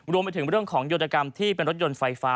รวมไปถึงเรื่องของโยตกรรมที่เป็นรถยนต์ไฟฟ้า